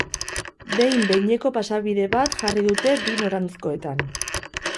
Behin-behineko pasabide bat jarri dute bi noranzkoetan.